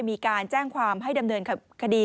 มีการแจ้งความให้ดำเนินคดี